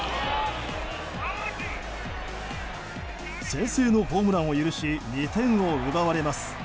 先制のホームランを許し２点を奪われます。